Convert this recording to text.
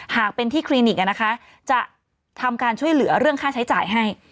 หากเป็นที่คลินิกจะทำการช่วยเหลือเรื่องค่าใช้จ่ายให้